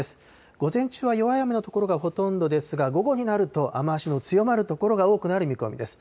午前中は弱い雨の所がほとんどですが、午後になると、雨足の強まる所が多くなる見込みです。